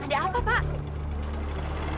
ada apa pak